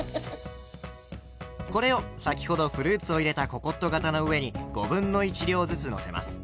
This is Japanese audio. これを先ほどフルーツを入れたココット型の上に５分の１量ずつのせます。